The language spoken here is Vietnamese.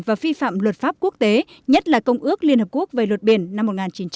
và vi phạm luật pháp quốc tế nhất là công ước liên hợp quốc về luật biển năm một nghìn chín trăm tám mươi hai